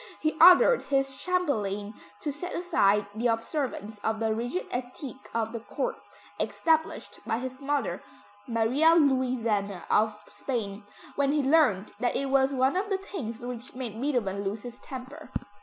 He ordered his chamberlain to set aside the observance of the rigid etiquette of the Court, established by his mother, Maria Louisa of Spain, when he learned that it was one of the things which made Beethoven lose his temper.